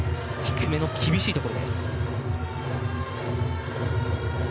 低めの厳しいところ。